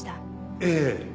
ええ。